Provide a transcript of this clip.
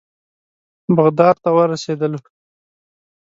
بغداد ته ورسېدلو.